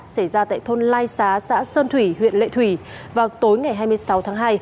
xảy ra tại thôn lai xá xã sơn thủy huyện lệ thủy vào tối ngày hai mươi sáu tháng hai